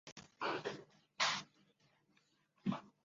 先后担任多项公职及上市公司独立非执行董事。